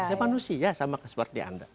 saya manusia sama seperti anda